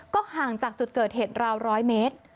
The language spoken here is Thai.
ห่างจากจุดเกิดเหตุราว๑๐๐เมตร